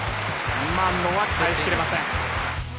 今のは返しきれません。